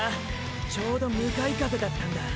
ちょうど向かい風だったんだ。